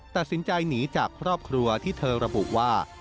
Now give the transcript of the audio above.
ตัดสินใจหนีจากครอบครัวที่เธอระบุว่า